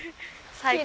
最高！